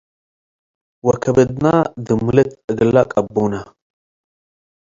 ወከብድና ድምልት እግለ ቀቡነ